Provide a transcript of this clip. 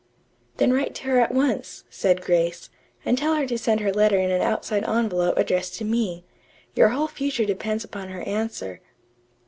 "Then write to her at once," said Grace, "and tell her to send her letter in an outside envelope addressed to me. Your whole future depends upon her answer."